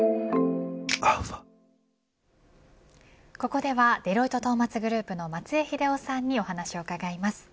ここではデロイトトーマツグループの松江英夫さんにお話を伺います。